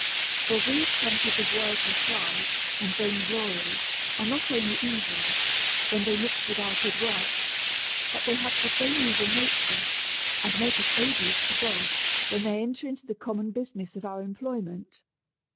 For these tempers of worldly pride and vain glory are not only evil, when they mix with our good works, but they have the same evil nature, and make us odious to God, when they enter into the common business of our em ployment.